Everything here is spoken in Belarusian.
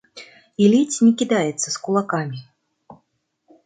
І ледзь не кідаецца з кулакамі!